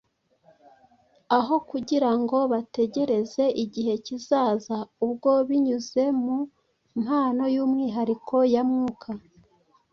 Aho kugira ngo bategereze igihe kizaza ubwo binyuze mu mpano y’umwihariko ya Mwuka